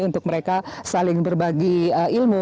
untuk mereka saling berbagi ilmu